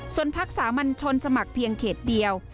ส่วนพักสามัญชนสมัครเพียงเขตเดียว